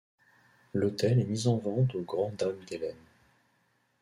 L'hôtel est mis en vente au grand dam d'Hélène.